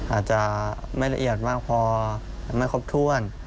อาจจะไม่ละเอียดมากพอไม่ครบถ้วน